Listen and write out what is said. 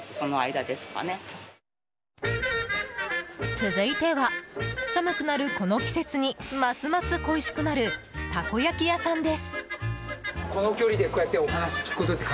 続いては、寒くなるこの季節にますます恋しくなるたこ焼き屋さんです。